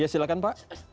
ya silakan pak